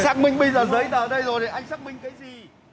sắc minh bây giờ giấy tờ đây rồi anh sắc minh cái gì